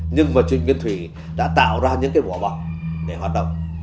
nhưng mà trịnh nguyên thủy đã tạo ra những vỏ bọc để hoạt động